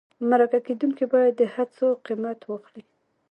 مرکه کېدونکی باید د هڅو قیمت واخلي.